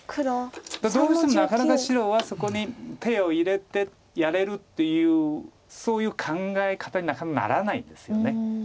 どうしてもなかなか白はそこに手を入れてやれるっていうそういう考え方になかなかならないんですよね。